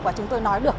và chúng tôi nói được